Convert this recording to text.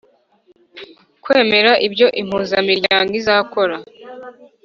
kwemeza ibyo Impuzamiryango izakora